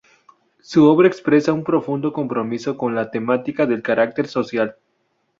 Su obra expresa un profundo compromiso con la temática de carácter social.